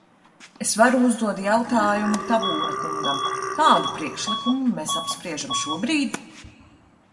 Es varu uzdot jautājumu Tabūna kungam: kādu priekšlikumu mēs apspriežam šobrīd?